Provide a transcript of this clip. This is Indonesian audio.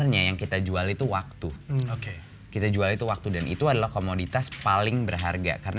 yang kita jual itu waktu oke kita jual itu waktu dan itu adalah komoditas paling berharga karena